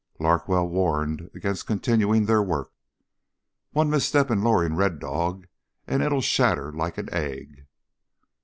Larkwell warned against continuing their work. "One misstep in lowering Red Dog and it'll shatter like an egg."